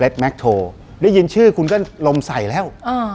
แม็กโทได้ยินชื่อคุณก็ลมใส่แล้ว